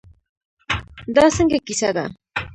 دا څنګه کیسه ده.